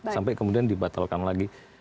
sampai kemudian dibatalkan lagi